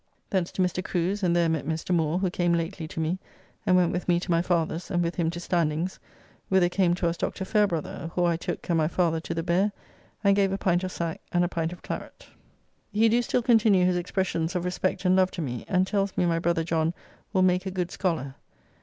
Thence to Mr. Crew's, and there met Mr. Moore, who came lately to me, and went with me to my father's, and with him to Standing's, whither came to us Dr. Fairbrother, who I took and my father to the Bear and gave a pint of sack and a pint of claret. He do still continue his expressions of respect and love to me, and tells me my brother John will make a good scholar.